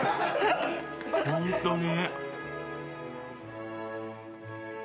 ホントに。